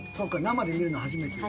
生で見るの初めて？